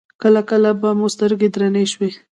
کله کله به مو سترګې درنې شوې.